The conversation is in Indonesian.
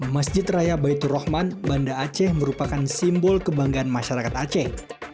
masjid raya baitur rahman banda aceh merupakan simbol kebanggaan masyarakat aceh